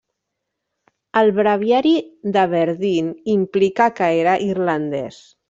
El Breviari d'Aberdeen implica que era irlandès.